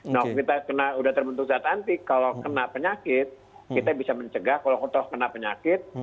nah kalau kita sudah terbentuk zat anti kalau kena penyakit kita bisa mencegah kalau ketahus kena penyakit